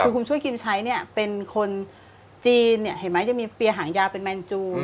คุณชั่วกิมชัยเป็นคนจีนเนี่ยเห็นมั้ยจะมีเปรียร์หางยาเป็นแมนจูน